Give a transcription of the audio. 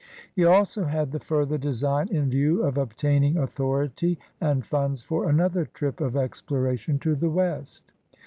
He also had the fiuiJier design in view of obtaining authority and f imds for another trip of exploration to the West.